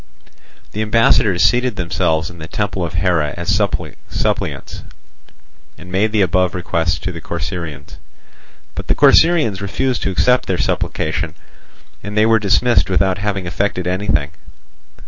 The ambassadors seated themselves in the temple of Hera as suppliants, and made the above requests to the Corcyraeans. But the Corcyraeans refused to accept their supplication, and they were dismissed without having effected anything.